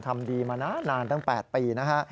ทำดีมานานตั้ง๘ปีนะฮะ